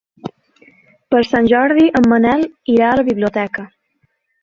Per Sant Jordi en Manel irà a la biblioteca.